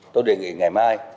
tôi đề nghị ngày mai